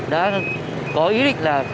đã có ý định là